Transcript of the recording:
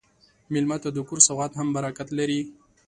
مېلمه ته د کور سوغات هم برکت لري.